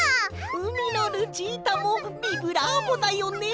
「うみのルチータもビブラーボだよね」。